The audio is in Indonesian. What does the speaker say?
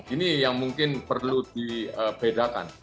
ini yang mungkin perlu dibedakan